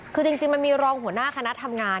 คือจริงมันมีรองหัวหน้าคณะทำงาน